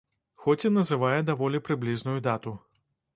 Хоць і называе даволі прыблізную дату.